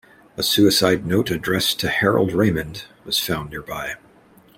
A suicide note addressed to Harald Ramond was found nearby.